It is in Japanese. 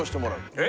え